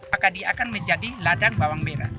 maka dia akan menjadi ladang bawang merah